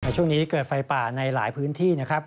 ช่วงนี้เกิดไฟป่าในหลายพื้นที่นะครับ